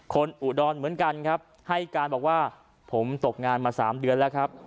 อุดรเหมือนกันครับให้การบอกว่าผมตกงานมา๓เดือนแล้วครับ